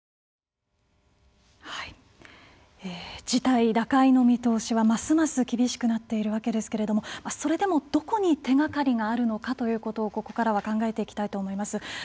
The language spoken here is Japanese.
事態打開の見通しはますます厳しくなっているわけですがそれでも、どこに手がかりがあるのかということをここから考えていきたいと思います。